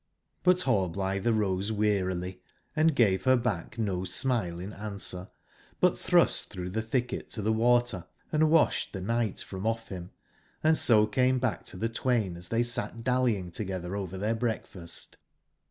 But Rallblitbe arose wearily, and gave ber back no smile in answer, but tbrust tbrougb tbe tbicket to tbe water, and wasbed tbe nigbt from off bim, and so came back to tbe twain as tbey sat dallying togetber over tbeir breakfast.